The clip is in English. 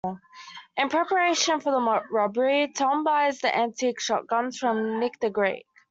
In preparation for the robbery, Tom buys the antique shotguns from Nick the Greek.